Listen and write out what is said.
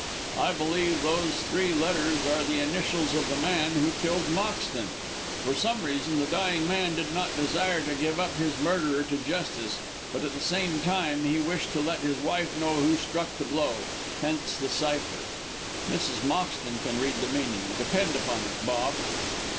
I believe those three letters are the initials of the man who killed Moxton. For some reason the dying man did not desire to give up his murderer to justice, but at the same time he wished to let his wife know who struck the blow, hence the cypher. Mrs. Moxton can read the meaning, depend upon it, Bob."